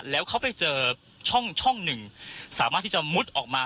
แล้วเขาไปเจอช่องหนึ่งสามารถที่จะมุดออกมา